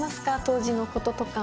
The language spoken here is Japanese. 当時のこととか。